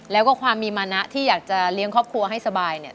แล้วก็ความมีมานะที่อยากจะเลี้ยงครอบครัวให้สบายเนี่ย